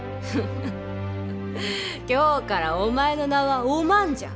今日からお前の名はお万じゃ。